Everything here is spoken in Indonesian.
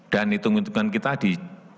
dan hitung hitungan kita di dua ribu empat puluh lima